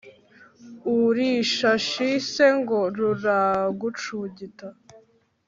urishashi se ngo rura gucugita?"